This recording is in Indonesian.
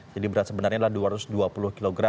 jadi berat sebenarnya adalah dua ratus dua puluh kg